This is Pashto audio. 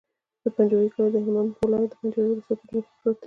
د پنجوایي کلی د هلمند ولایت، پنجوایي ولسوالي په جنوب کې پروت دی.